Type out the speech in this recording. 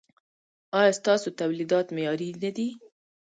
ایا ستاسو تولیدات معیاري نه دي؟